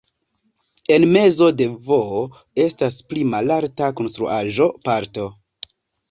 En mezo de "V" estas pli malalta konstruaĵo-parto.